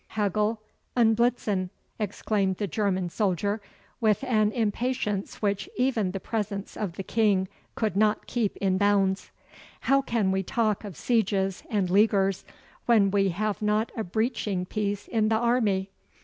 'Hegel und blitzen!' exclaimed the German soldier, with an impatience which even the presence of the King could not keep in bounds; 'how can we talk of sieges and leaguers when we have not a breaching piece in the army?